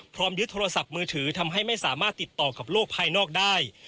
ยึดโทรศัพท์มือถือทำให้ไม่สามารถติดต่อกับโลกภายนอกได้